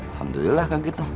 alhamdulillah kaget lah